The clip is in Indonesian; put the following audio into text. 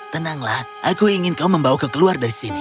tenanglah aku ingin kau membawaku keluar dari sini